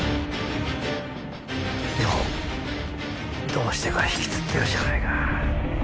でもどうしてか引きつってるじゃないか。